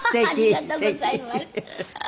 ありがとうございます。